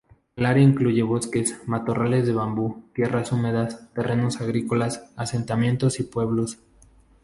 El área incluye bosques, matorrales de bambú, tierras húmedas, terrenos agrícolas, asentamientos y pueblos.